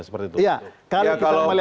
kalau kita melihat situasi